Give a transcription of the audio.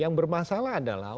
yang bermasalah adalah